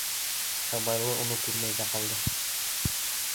Һыбайлы уны күрмәй ҙә ҡалды.